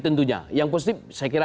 tentunya yang positif saya kira